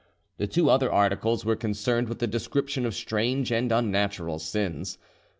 The two other articles were concerned with the description of strange and unnatural sins.